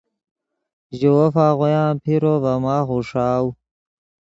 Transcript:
ژے وف آغویان پیرو ڤے ماخ اوݰاؤ